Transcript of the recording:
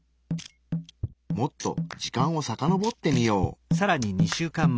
もっと時間をさかのぼってみよう。